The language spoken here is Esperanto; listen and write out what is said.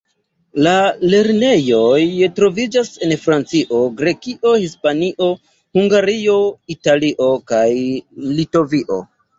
La lernejoj troviĝas en Francio, Grekio, Hispanio, Hungario, Italio kaj Litovio.